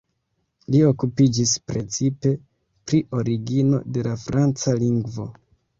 Li okupiĝis precipe pri origino de la franca lingvo.